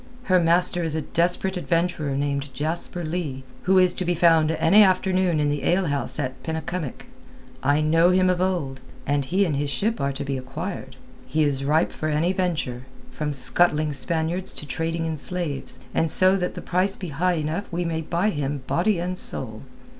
Her master is a desperate adventurer named Jasper Leigh, who is to be found any afternoon in the alehouse at Penycumwick. I know him of old, and he and his ship are to be acquired. He is ripe for any venture, from scuttling Spaniards to trading in slaves, and so that the price be high enough we may buy him body and soul.